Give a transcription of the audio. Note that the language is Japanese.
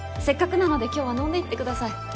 せっかくなので今日は飲んでいってください。